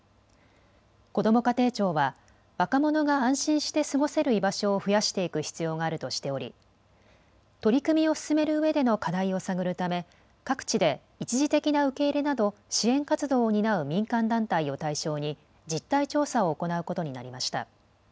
こども家庭庁は若者が安心して過ごせる居場所を増やしていく必要があるとしており取り組みを進めるうえでの課題を探るため、各地で一時的な受け入れなど支援活動を担う民間団体を対象に実態調査を行うことになりました。